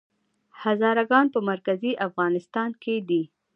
هزاره ګان په مرکزي افغانستان کې دي؟